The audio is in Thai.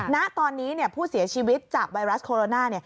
ณตอนนี้ผู้เสียชีวิตจากไวรัสโคโรนา